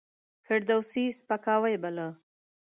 فردوسي سپکاوی باله.